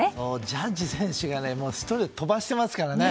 ジャッジ選手が１人で飛ばしてますからね。